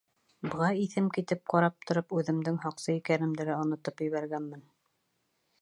Быға иҫем китеп ҡарап тороп, үҙемдең һаҡсы икәнемде лә онотоп ебәргәнмен.